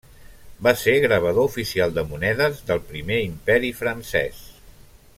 Va ser gravador oficial de monedes del Primer Imperi francès.